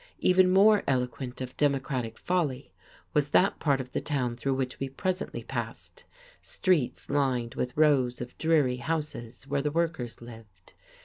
Even more eloquent of democratic folly was that part of the town through which we presently passed, streets lined with rows of dreary houses where the workers lived.